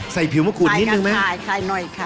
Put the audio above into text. ใส่ผิวมะกรูปนิดนึงไหมใส่กระทายใส่กระทายหน่อยค่ะ